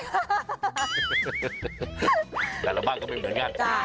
แต่ละบ้านก็ไม่เหมือนกัน